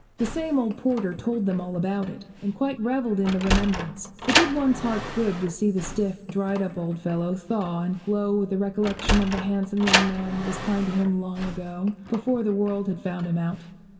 The same old porter told them all about it, and quite revelled in the remembrance. It did one's heart good to see the stiff, dried up old fellow thaw and glow with the recollection of the handsome young man who was kind to him long ago, before the world had found him out.